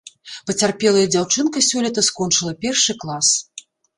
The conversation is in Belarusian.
Пацярпелая дзяўчынка сёлета скончыла першы клас.